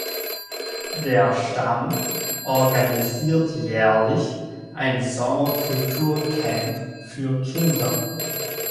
Der Stamm organisiert jährlich ein Sommer-Kultur-Camp für Kinder.